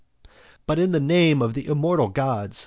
XII. But, in the name of the immortal gods!